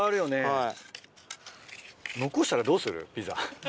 はい。